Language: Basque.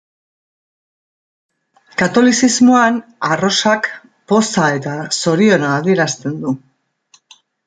Katolizismoan, arrosak poza eta zoriona adierazten du.